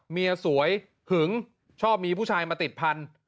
เมียสวยหึงชอบมีผู้ชายมาติดพันธุ์